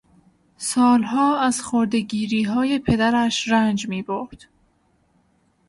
سالها از خردهگیریهای پدرش رنج میبرد.